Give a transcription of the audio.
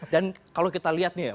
dan kalau kita lihat nih ya